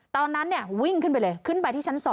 ตอนนั้นวิ่งขึ้นไปเลยขึ้นไปที่ชั้น๒